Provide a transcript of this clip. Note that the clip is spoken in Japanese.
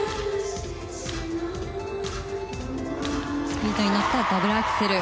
スピードに乗ったダブルアクセル。